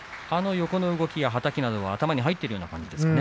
横の動き、はたきなども頭に入っていたようですね。